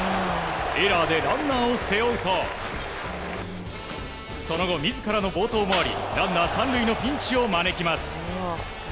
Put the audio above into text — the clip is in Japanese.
エラーでランナーを背負うとその後自らの暴投もありランナー３塁のピンチを招きます。